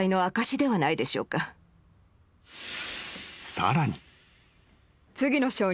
［さらに］